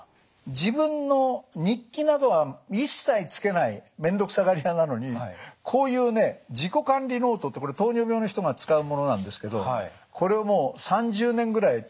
自分の日記などは一切つけない面倒くさがり屋なのにこういうね自己管理ノートってこれ糖尿病の人が使うものなんですけどこれをもう３０年ぐらいつけて。